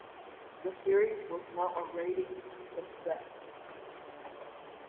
The series was not a ratings success.